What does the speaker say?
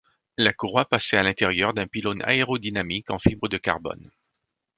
La courroie passait à l'intérieur d'un pylône aérodynamique en fibre de carbone.